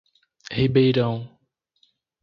Ribeirão